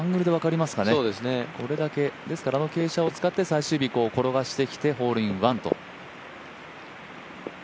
これだけ、あの傾斜を使って最終日転がしてきてホールインワンと。